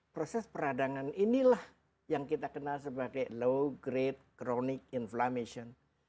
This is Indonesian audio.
proses peradangan inilah yang kita kenal sebagai low grade cronic inflammation